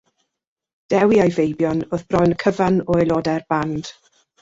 Dewi a'i feibion oedd bron y cyfan o aelodau'r band.